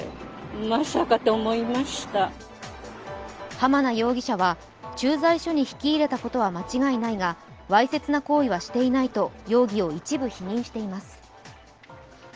濱名容疑者は駐在所に引き入れたことは間違いないがわいせつな行為はしていないと容疑を一部否認しています。